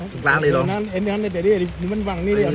มันมีร่างนี้เลย